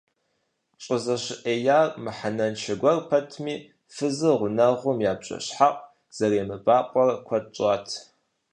ЩӀызэщыӀеяр мыхьэнэншэ гуэр пэтми, фызыр гъунэгъум я бжэщхьэӀу зэремыбакъуэрэ куэд щӀат.